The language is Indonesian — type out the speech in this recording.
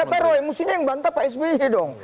ya itu kan dikatakan roy mestinya yang bantah pak sby dong